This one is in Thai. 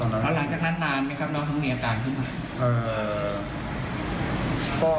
แล้วหลังจากนั้นนานไหมครับน้องเขามีอาการขึ้นมา